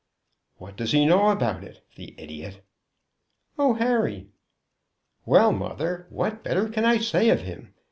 "What does he know about it? the idiot!" "Oh, Harry!" "Well, mother, what better can I say of him?